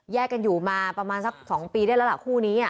กันอยู่มาประมาณสัก๒ปีได้แล้วล่ะคู่นี้